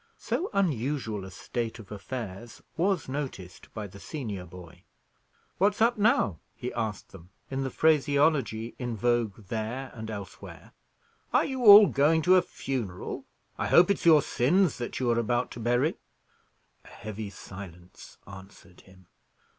So unusual a state of affairs was noticed by the senior boy. "What's up now?" he asked them, in the phraseology in vogue there and elsewhere. "Are you all going to a funeral? I hope it's your sins that you are about to bury!" A heavy silence answered him.